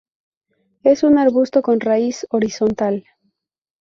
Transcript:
Es un arbusto con raíz horizontal.